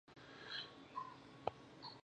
که ملالۍ نه وای جنګېدلې، بری به نه وو.